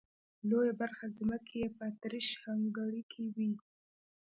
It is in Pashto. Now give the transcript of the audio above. لويه برخه ځمکې یې په اتریش هنګري کې وې.